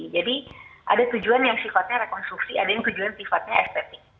jadi ada tujuan yang sifatnya rekonstruksi ada yang sifatnya estetik